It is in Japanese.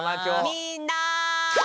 みんな！